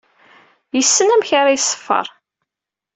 Yessen amek ara iṣeffer.